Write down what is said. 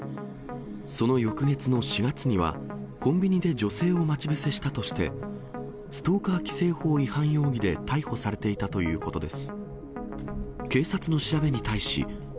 その翌月の４月には、コンビニで女性を待ち伏せしたとして、ストーカー規制法違反容疑で逮捕されていたということです。